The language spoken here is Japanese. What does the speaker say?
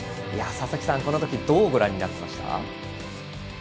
佐々木さん、このときどうご覧になってました？